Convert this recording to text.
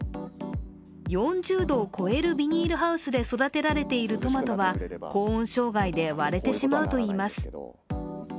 ４０度を超えるビニールハウスで育てられているトマトは高温障害で割れてしまうといいます。